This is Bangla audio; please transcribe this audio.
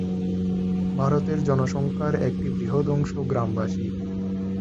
ভারতের জনসংখ্যার একটি বৃহৎ অংশ গ্রামবাসী।